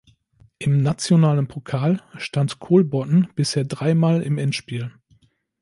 Im nationalen Pokal stand Kolbotn bisher dreimal im Endspiel.